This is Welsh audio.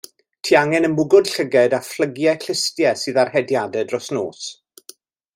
Ti angen y mwgwd llygaid a phlygiau clustiau sydd ar hediadau dros nos.